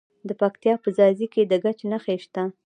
د پکتیا په ځاځي کې د ګچ نښې شته.